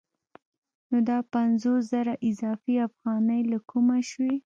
نو دا پنځوس زره اضافي افغانۍ له کومه شوې